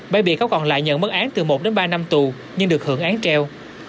hai bị cáo còn lại nhận mất án từ một đến ba năm tù nhưng được hưởng án treo